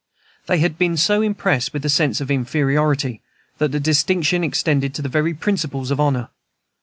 They had been so impressed with a sense of inferiority that the distinction extended to the very principles of honor.